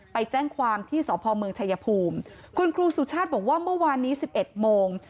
ไปแจ้งความที่สพเมืองชายภูมิคุณครูสุชาติบอกว่าเมื่อวานนี้๑๑โมง